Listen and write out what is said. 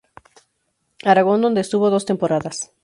Aragón donde estuvo dos temporadas.